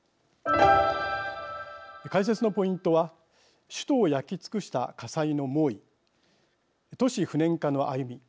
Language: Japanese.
解説のポイントは首都を焼き尽くした火災の猛威都市不燃化の歩み